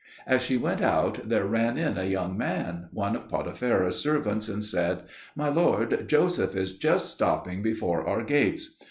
As she went out, there ran in a young man, one of Potipherah's servants, and said, "My lord, Joseph is just stopping before our gates."